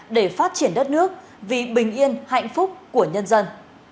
để phát triển đất nước vì bình yên hạnh phúc của nhân dân